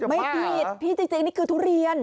ไม่ผิดที่จริงนี่คือทุเรียน